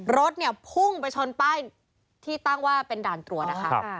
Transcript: รถเนี่ยพุ่งไปชนป้ายที่ตั้งว่าเป็นด่านตรวจนะคะ